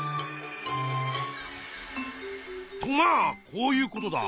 とまあこういうことだ。